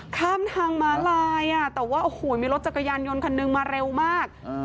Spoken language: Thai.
ข้ามทางม้าลายแต่ว่าโอ้โหมีรถจักรยานยนต์คันหนึ่งมาเร็วมาก